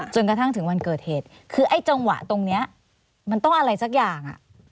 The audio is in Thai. จนกระทั่งถึงวันเกิดเหตุคือไอ้จังหวะตรงนี้มันต้องอะไรสักอย่าง